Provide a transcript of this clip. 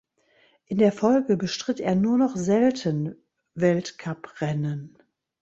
In der Folge bestritt er nur noch selten Weltcup-Rennen.